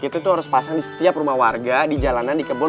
kita tuh harus pasang di setiap rumah warga di jalanan di kebun